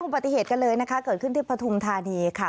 ปฏิเหตุกันเลยนะคะเกิดขึ้นที่ปฐุมธานีค่ะ